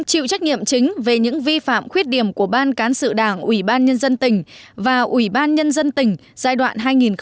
chịu trách nhiệm chính về những vi phạm khuyết điểm của ban cán sự đảng ủy ban nhân dân tỉnh và ủy ban nhân dân tỉnh giai đoạn hai nghìn một mươi sáu hai nghìn một mươi sáu